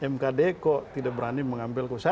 mkd kok tidak berani mengambil keputusan